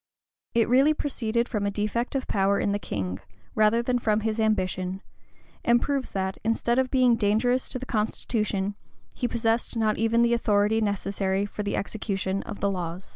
It really proceeded from a defect of power in the king, rather than from his ambition; and proves that, instead of being dangerous to the constitution, he possessed not even the authority necessary for the execution of the laws.